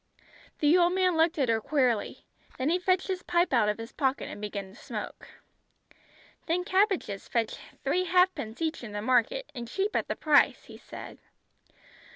The old man looked at her queerly. Then he fetched his pipe out of his pocket and began to smoke. "Them cabbages fetch three halfpence each in the market, and cheap at the price," he said.